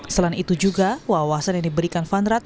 selain itu juga wawasan yang diberikan fanrak